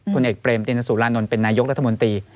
ผลเอกเปรมตินสุรานนท์เป็นนายกรัฐมนตรี